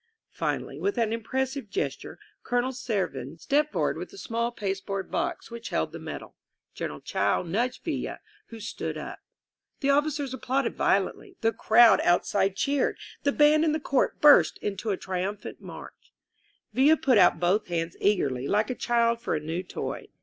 Finally, with an impressive gesture, Colonel Servin stepped forward with the small pasteboard box which held the medal. General Chao nudged Villa, who stood up. The officers applauded violently; the crowd out side cheered; the band in the court burst into a tri tunphant march. Villa put put both hands eagerly, like a child for a new toy.